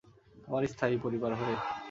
তোমার স্থায়ী পরিবার হয়ে?